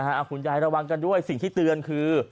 คุณยายระวังกันด้วยสิ่งที่เตือนคือ